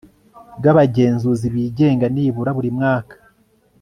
bw abagenzuzi bigenga nibura buri mwaka